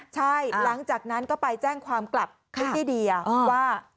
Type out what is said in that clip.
ใช่หลังจากนั้นก็ไปแจ้งความกลับที่ดีว่า